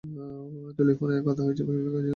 টেলিফোনে কথা হয়েছে কয়েকজন শ্রমিকনেতার সঙ্গে।